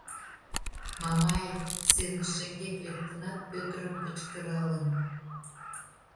Мамаев сцене шеҥгек лектынат, Пӧтырым кычкыралын: